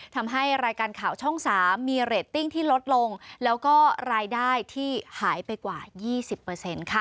ทำให้รายการข่าวช่อง๓มีเรตติ้งที่ลดลงแล้วก็รายได้ที่หายไปกว่า๒๐ค่ะ